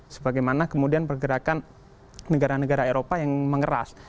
sebagaimana kemudian pergerakan negara negara eropa yang mengeras